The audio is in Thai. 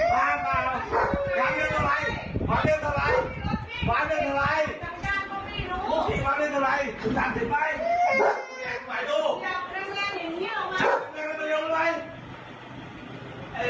พ่อมันได้ไงมีตัวตามาก